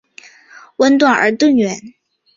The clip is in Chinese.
吻短而钝圆。